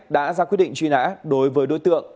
đã ra quyết định truy nã đối với đối tượng